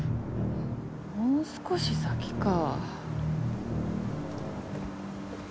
もう少し先か。